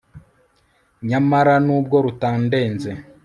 nyamara nubwo rutandenze